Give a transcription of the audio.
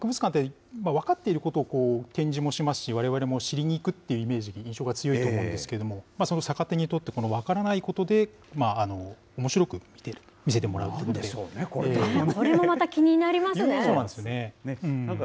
そうですね、博物館って、分かっていることを展示もしますし、われわれも知りにいくっていう印象が強いと思うんですけれども、それを逆手にとって、分からないことで、おもしろく見せてもらうこれもまた気になりますね。